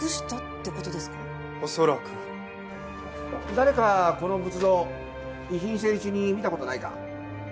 誰かこの仏像遺品整理中に見た事ないか？